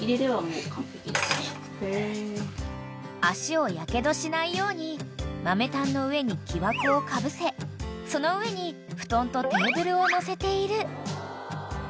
［足をやけどしないように豆炭の上に木枠をかぶせその上に布団とテーブルを載せている］